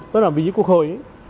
tất cả những quốc hội ấy